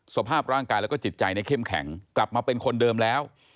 สภาพร่างกายแล้วก็จิตใจเข้มแข็งกลับมาเป็นคนเดิมแล้ว